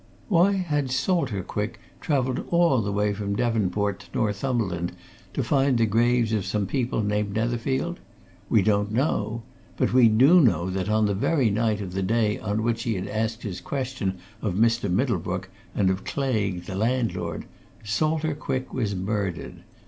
Why had Salter Quick travelled all the way from Devonport to Northumberland to find the graves of some people named Netherfield? We don't know but we do know that on the very night of the day on which he had asked his questions of Mr. Middlebrook and of Claigue, the landlord, Salter Quick was murdered.